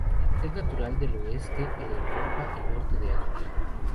Es natural del oeste de Europa y norte de África.